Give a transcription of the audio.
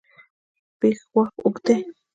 پښواک اوږد دی.